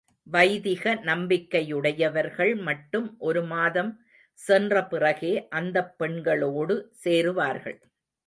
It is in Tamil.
வைதிக நம்பிக்கையுடையவர்கள் மட்டும் ஒரு மாதம் சென்ற பிறகே அந்தப் பெண்களோடு சேருவார்கள்.